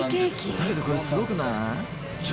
だけどこれすごくない？